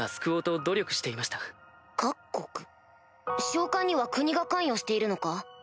召喚には国が関与しているのか？